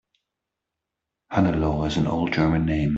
Hannelore is an old German name.